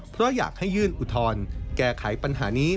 เพราะอยากให้ยื่นอุทธรณ์แก้ไขปัญหานี้